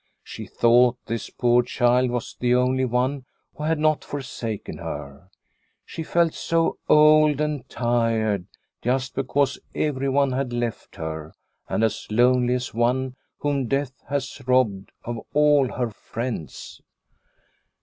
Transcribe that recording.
She thought this poor child was the only one who had not forsaken her. She felt so old and tired just because everyone had left her, and as lonely as one whom death has robbed of all her friends.